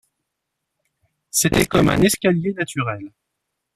C’était comme un escalier naturel.